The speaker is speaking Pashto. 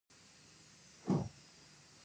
الله دې برکت پکې واچوي.